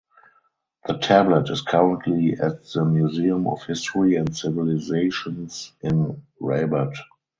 The tablet is currently at the Museum of History and Civilizations in Rabat.